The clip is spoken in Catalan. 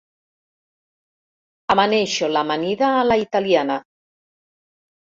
Amaneixo l'amanida a la italiana.